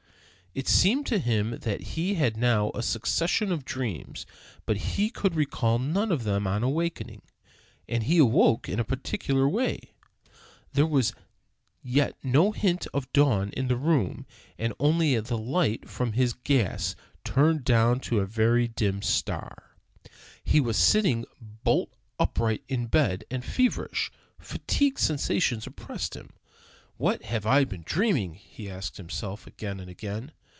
It seemed to him that he had now a succession of dreams, but he could recall none of them on awaking. And he awoke in a peculiar way. There was yet no hint of dawn in the room, and only the light from his gas, turned down to a very dim star. He was sitting bolt upright in bed, and feverish, fatigued sensations oppressed him. "What have I been dreaming?" he asked himself again and again.